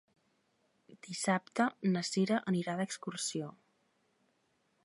Dissabte na Cira anirà d'excursió.